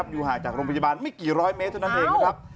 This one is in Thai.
อยู่ห่างจากโรงพยาบาลไม่กี่ร้อยเมตรเท่านั้นเองนะครับ